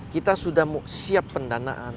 kita sudah siap pendanaan